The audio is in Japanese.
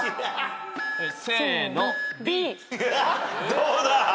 どうだ？